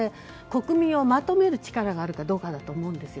国民をまとめる力があるかどうかだと思うんです。